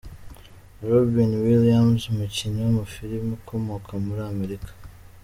Robin Williams, umukinnyi w’amafilime ukomoka muri Amerika .